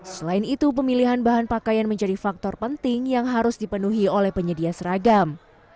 selain itu pemilihan bahan pakaian menjadi faktor penting yang harus dipenuhi oleh penyedia seragam